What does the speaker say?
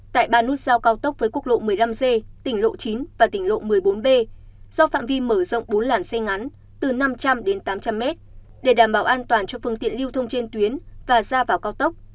tại ba nút giao cao tốc với quốc lộ một mươi năm c tỉnh lộ chín và tỉnh lộ một mươi bốn b do phạm vi mở rộng bốn làn xe ngắn từ năm trăm linh đến tám trăm linh mét để đảm bảo an toàn cho phương tiện lưu thông trên tuyến và ra vào cao tốc